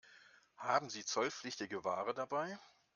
Haben Sie zollpflichtige Ware dabei?